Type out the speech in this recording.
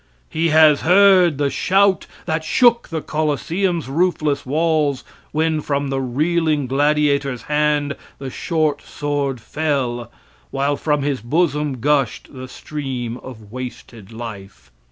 He has heard the shout that shook the Coliseum's roofless walls when from the reeling gladiator's hand the short sword fell, while from his bosom gushed the stream of wasted life.